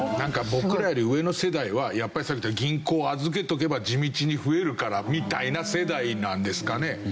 僕らより上の世代はやっぱりさっき言ったように銀行預けとけば地道に増えるからみたいな世代なんですかね。